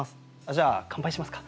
じゃあ乾杯しますか。